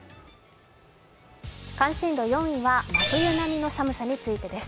関心度４位は、真冬並みの寒さについてです。